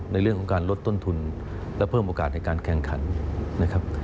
ในเรื่องของการลดต้นทุนและเพิ่มโอกาสในการแข่งขันนะครับ